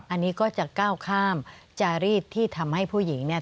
อันนี้ก็จะก้าวข้ามจารีดที่ทำให้ผู้หญิงเนี่ย